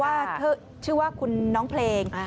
ชื่อว่าชื่อว่าคุณน้องเพลง